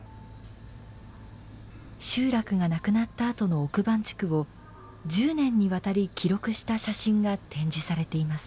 集落がなくなったあとの奥番地区を１０年にわたり記録した写真が展示されています。